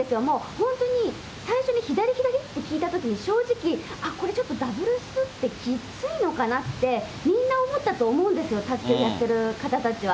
本当に最初に左・左って聞いたときに、正直、あっ、これ、ちょっとダブルスってきついのかなって、みんな思ったと思うんですよ、卓球やってる方たちは。